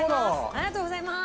ありがとうございます。